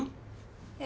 ええ。